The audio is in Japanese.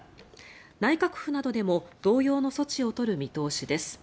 内閣府などでも同様の措置を取る見通しです。